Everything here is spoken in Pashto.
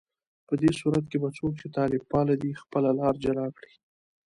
په دې صورت کې به څوک چې طالب پاله دي، خپله لاره جلا کړي